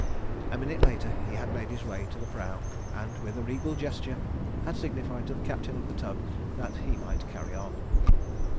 A minute later he had made his way to the prow, and, with a regal gesture, had signified to the captain of the tug that he might carry on.